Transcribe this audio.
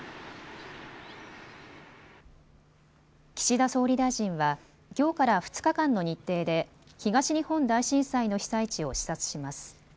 岸田総理大臣はきょうから２日間の日程で東日本大震災の被災地を視察します。